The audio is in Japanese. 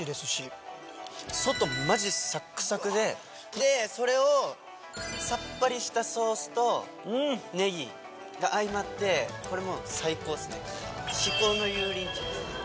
外マジサックサクでそれをさっぱりしたソースとネギが相まってこれもう最高っすね。